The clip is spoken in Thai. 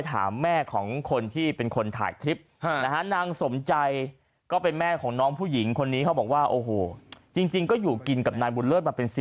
ตอนนี้ลากสุดอาการปลอดภัย